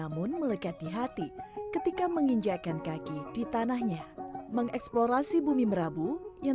muda kita panjang ayat panjang